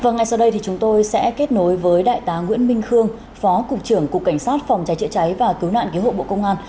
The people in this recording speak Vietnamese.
và ngay sau đây chúng tôi sẽ kết nối với đại tá nguyễn minh khương phó cục trưởng cục cảnh sát phòng cháy chữa cháy và cứu nạn cứu hộ bộ công an